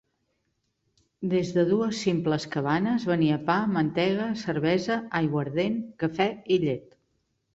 Des de dues simples cabanes venia pa, mantega, cervesa, aiguardent, cafè i llet.